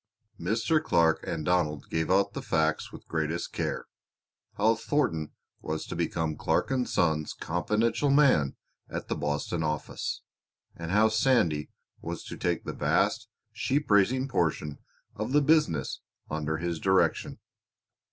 Mr. Clark and Donald gave out the facts with greatest care how Thornton was to become Clark & Son's confidential man at the Boston office; and how Sandy was to take the vast sheep raising portion of the business under his direction.